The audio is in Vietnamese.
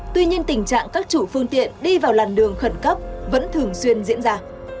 tuy nhiên tình trạng các chủ phương tiện đi vào làn đường khẩn cấp vẫn thường xuyên diễn ra